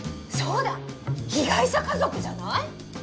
そうだ被害者家族じゃない？